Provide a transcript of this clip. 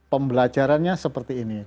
pembelajarannya seperti ini